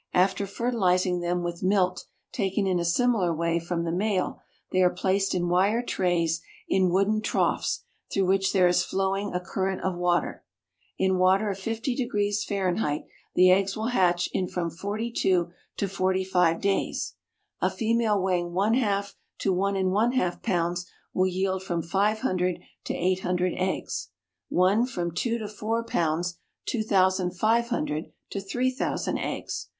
After fertilizing them with milt taken in a similar way from the male they are placed in wire trays in wooden troughs through which there is flowing a current of water. In water of 50 degrees F. the eggs will hatch in from forty two to forty five days. A female weighing one half to one and one half pounds will yield from five hundred to eight hundred eggs. One from two to four pounds, two thousand five hundred to three thousand eggs.